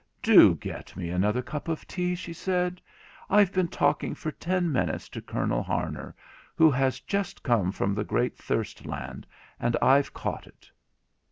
'Do get me another cup of tea,' she said; 'I've been talking for ten minutes to Colonel Harner, who has just come from the great thirst land, and I've caught it.'